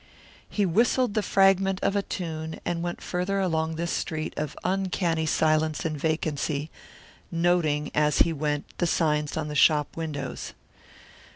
He whistled the fragment of a tune and went farther along this street of uncanny silence and vacancy, noting, as he went, the signs on the shop windows.